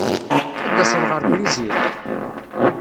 Ad d-taseḍ ɣer Brizil?